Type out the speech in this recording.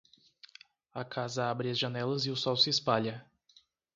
A casa abre as janelas e o sol se espalha.